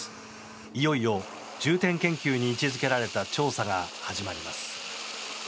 いよいよ重点研究に位置付けられた調査が始まります。